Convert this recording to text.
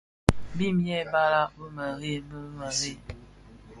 Bim yêê balàg bì mềrei bi mēreè.